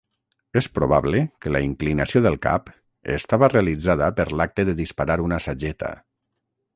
És probable que la inclinació del cap estava realitzada per l'acte de disparar una sageta.